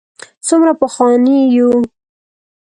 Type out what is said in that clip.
څومره پخواني یو.